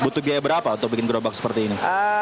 butuh biaya berapa untuk bikin gerobak seperti ini